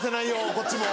こっちも。